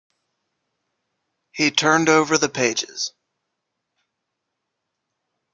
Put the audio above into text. He turned over the pages.